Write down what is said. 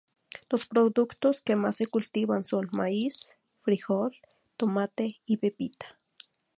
Los productos que más se cultivan son maíz, frijol, tomate y pepita.